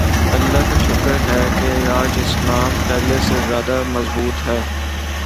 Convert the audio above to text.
اللہ کا شکر ہے کہ آج اسلام پہلے سے زیادہ مضبوط ہے۔